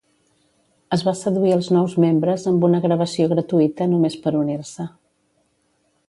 Es va seduir els nous membres amb una gravació gratuïta només per unir-se.